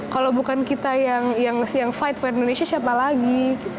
kalau bukan kita yang fight fair indonesia siapa lagi